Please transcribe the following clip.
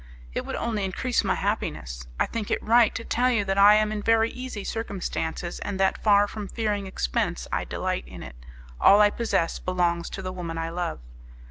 "It would only increase my happiness. I think it right to tell you that I am in very easy circumstances, and that, far from fearing expense, I delight in it: all I possess belongs to the woman I love."